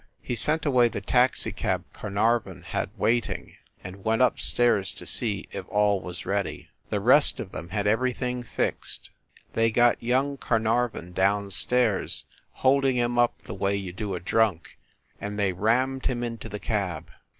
He sent away the taxicab Carnarvon had waiting, and went up stairs to see if all was ready. The rest of them had everything fixed. They got young Carnarvon down stairs, holding him up the way you do a drunk, and they rammed him into the cab.